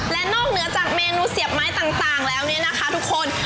และนอกเหนือจากเมนูเสียบไม้ต่างแล้วเนี่ยนะคะทุกคน